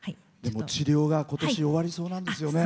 治療が今年終わりそうなんですよね。